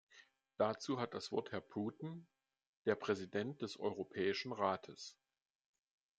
Dazu hat das Wort Herr Bruton, der Präsident des Europäischen Rates.